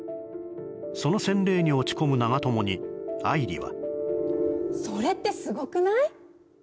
その洗礼に落ち込む長友に愛梨は‥